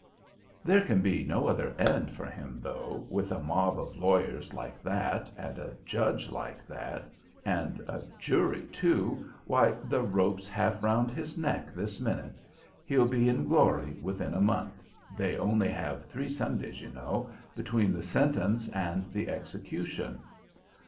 "There can be no other end for him though, with a mob of lawyers like that, and a judge like that, and a jury too ... why the rope's half round his neck this minute; he'll be in glory within a month, they only have three Sundays, you know, between the sentence and the execution.